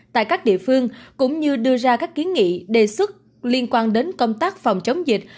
tại các địa phương cũng như đưa ra các kiến nghị đề xuất liên quan đến công tác phòng chống dịch